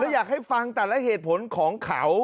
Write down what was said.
อยากให้ฟังแต่ละเหตุผลของเขา